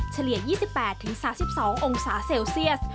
เฉลี่ย๒๘๓๒องศาเซลเซียส